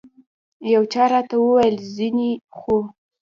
یو چا راته وویل ځینې خو.